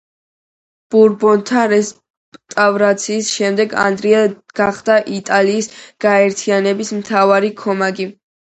ბურბონთა რესტავრაციის შემდეგ, ანდრია გახდა იტალიის გაერთიანების მთავარი ქომაგი.